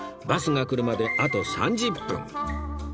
バスが来るまであと３０分